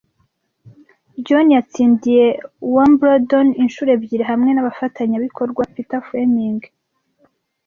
John yatsindiye Wimbledon inshuro ebyiri hamwe nabafatanyabikorwa Peter Fleming